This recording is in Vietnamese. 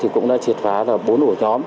cũng đã triệt phá bốn ổ nhóm